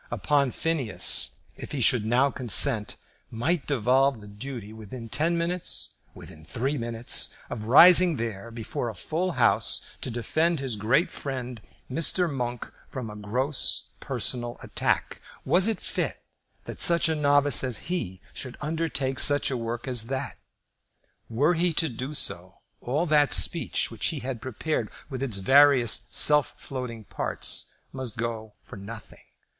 Upon Phineas, if he should now consent, might devolve the duty, within ten minutes, within three minutes, of rising there before a full House to defend his great friend, Mr. Monk, from a gross personal attack. Was it fit that such a novice as he should undertake such a work as that? Were he to do so, all that speech which he had prepared, with its various self floating parts, must go for nothing.